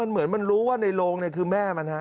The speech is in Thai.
เหมือนมันรู้ว่าในโรงคือแม่มันฮะ